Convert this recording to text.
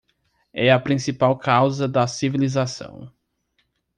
É a principal causa da civilização